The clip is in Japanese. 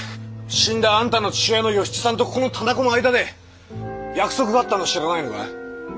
死んだあんたの父親の与七さんとここの店子の間で約束があったのを知らないのかい？